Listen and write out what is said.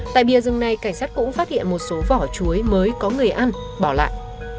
tại bia rừng này cảnh sát cũng phát hiện một số vỏ chuối mới có người ăn bỏ lại